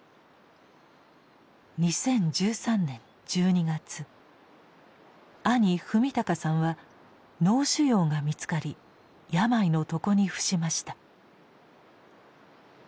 ２０１３年１２月兄史敬さんは脳腫瘍が見つかり病の床に伏しました。